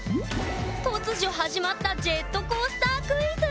突如始まったジェットコースタークイズ！